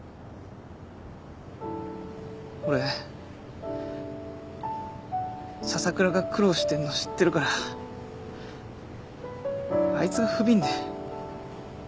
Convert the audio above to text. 俺笹倉が苦労してんの知ってるからあいつがふびんで。